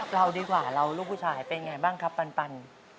เราดีกว่าเราลูกผู้ชายเป็นไงบ้างครับปัน